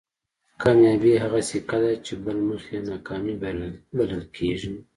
کامیابي هغه سکه ده چې بل مخ یې ناکامي بلل کېږي.